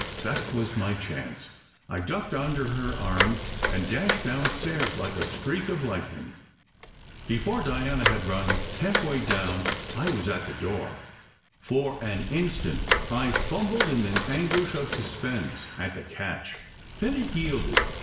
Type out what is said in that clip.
That was my chance ! I ducked under her arms and dashed down stairs like a streak of lightning. Before Diana had run halfway down I was at the door. For an instant I fum bled in an anguish of suspense at the catch. Then it yielded.